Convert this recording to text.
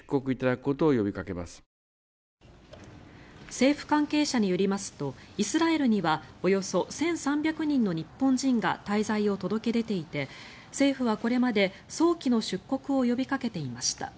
政府関係者によりますとイスラエルにはおよそ１３００人の日本人が滞在を届け出ていて政府はこれまで早期の出国を呼びかけていました。